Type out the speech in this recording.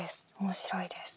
面白いです。